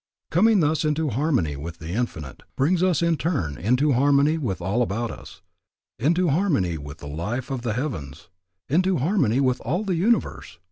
Coming thus into harmony with the Infinite, brings us in turn into harmony with all about us, into harmony with the life of the heavens, into harmony with all the universe.